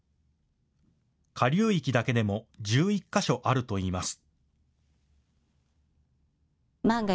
下流域だけでも１１か所あるといいます。